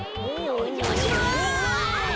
おじゃまします！